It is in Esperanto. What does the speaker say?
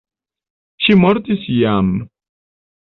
Ŝi mortis jam.